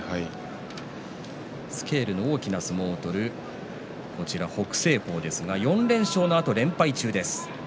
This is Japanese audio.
スケールの大きな相撲を取る北青鵬ですが４連勝のあと連敗中です。